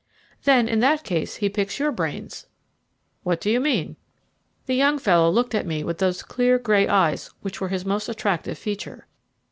"Then in that case he picks your brains." "What do you mean?" The young fellow looked at me with those clear grey eyes which were his most attractive feature.